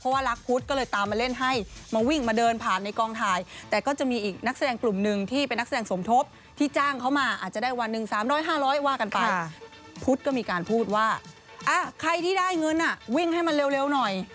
๕๐๐ว่ากันไปพุทธก็มีการพูดว่าอ่ะใครที่ได้เงินอ่ะวิ่งให้มันเร็วเร็วหน่อย